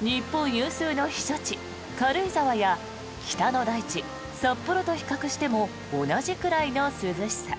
日本有数の避暑地、軽井沢や北の大地、札幌と比較しても同じくらいの涼しさ。